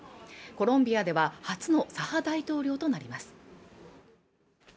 コロンビアでは初の左派大統領となります